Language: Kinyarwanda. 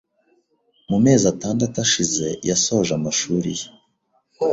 Mumezi atandatu ashize yasoje amashuri ye.